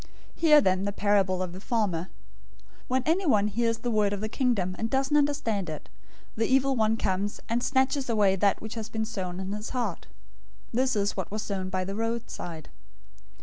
013:018 "Hear, then, the parable of the farmer. 013:019 When anyone hears the word of the Kingdom, and doesn't understand it, the evil one comes, and snatches away that which has been sown in his heart. This is what was sown by the roadside.